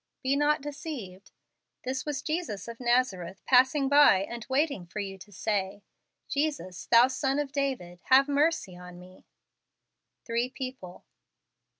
Be not deceived. This was Jesus of Nazareth passing by and waiting for you to say, " Jesus, thou Son of David, have mercy on me." Three People.